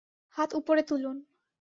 হাত ওপরে তুলুন।